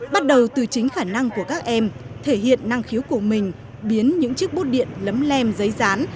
bắt đầu từ chính khả năng của các em thể hiện năng khiếu của mình biến những chiếc bút điện lấm lem giấy rán